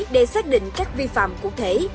để xác định các vi phạm cụ thể